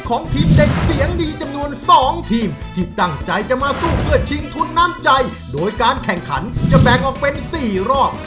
ของทีมเด็กเสียงดีจำนวนสองทีม